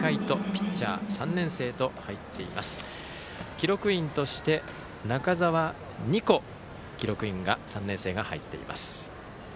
記録員として中澤日瑚記録員３年生が入っています。